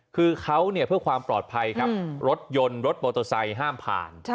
คือเขาเนี่ยเพื่อความปลอดภัยครับรถยนต์รถมอเตอร์ไซค์ห้ามผ่าน